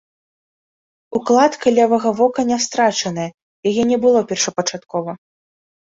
Укладка левага вока не страчаная, яе не было першапачаткова.